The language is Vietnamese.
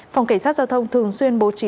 phòng cảnh sát giao thông thường xuyên bố trí